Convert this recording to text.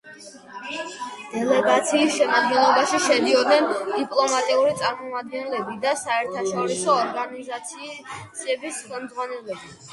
დელეგაციის შემადგენლობაში შედიოდნენ დიპლომატიური წარმომადგენლები და საერთაშორისო ორგანიზაციების ხელმძღვანელები.